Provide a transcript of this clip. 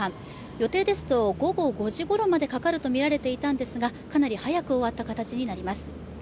予定ですと午後５時ごろまでかかるとみられていたんですがかなり早く終わった形になります。